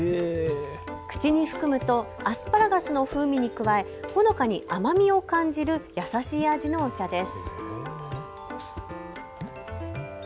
口に含むとアスパラガスの風味に加えほのかに甘みを感じる優しい味のお茶です。